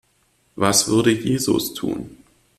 Was würde Jesus tun?